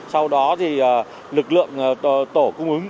sau đó thì lực lượng tổ cung ứng